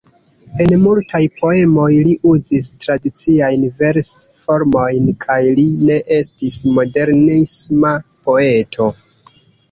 En multaj poemoj li uzis tradiciajn vers-formojn kaj li ne estis modernisma poeto.